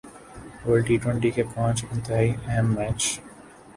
world T twenty کے پانچ انتہائی اہم میچز